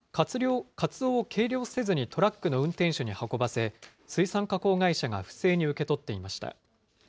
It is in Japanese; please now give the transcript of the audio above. ところが、この職員らはカツオを計量せずにトラックの運転手に運ばせ、水産加工会社が不正に受け取っていました。